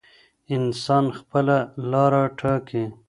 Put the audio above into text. انسان خپله لاره ټاکي.